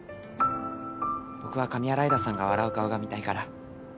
僕は上新井田さんが笑う顔が見たいから。